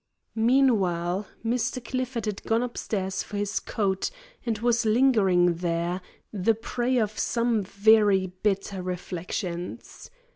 Meanwhile, Mr. Clifford had gone upstairs for his coat, and was lingering there, the prey of some very bitter reflections.